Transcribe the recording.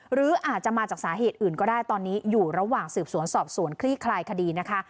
หรืออาจจะมาจากสาเหตุอื่นก็ได้ตอนนี้อยู่ระหว่างสืบสวนสอบสวนคลี่คลายคดีนะคะ